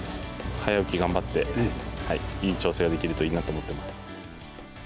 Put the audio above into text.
早起き頑張って、いい調整ができるといいなと思ってます。